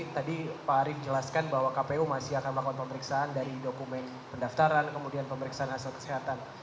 tadi pak arief jelaskan bahwa kpu masih akan melakukan pemeriksaan dari dokumen pendaftaran kemudian pemeriksaan hasil kesehatan